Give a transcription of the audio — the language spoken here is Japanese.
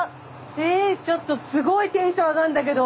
えちょっとすごいテンション上がんだけど。